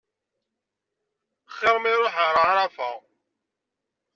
Xir ma iruḥ ɣer ɛarafa.